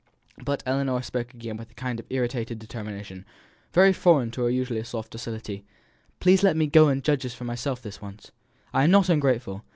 But Ellinor spoke again with a kind of irritated determination, very foreign to her usual soft docility: "Please just let me judge for myself this once. I am not ungrateful.